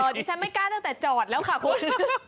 ดิฉันไม่กล้าตั้งแต่จอดแล้วค่ะคุณ